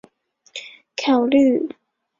思考一个粒子从静止状态自由地下落。